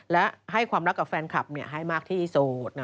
และให้ความรักกับแฟนคลับให้มากที่สุด